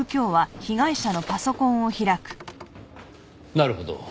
なるほど。